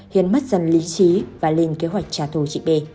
hiến mất dần lý trí và lên kế hoạch trả thù chị b